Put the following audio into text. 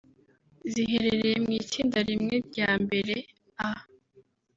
ziherereye mu itsinda rimwe rya mbere (A)